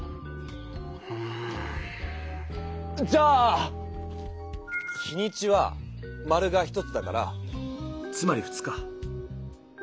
うんじゃあ日にちは○が１つだからつまり「２日」。